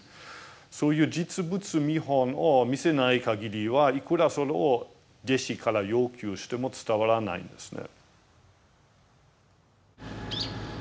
そういう実物見本を見せないかぎりはいくらそれを弟子から要求しても伝わらないんですね。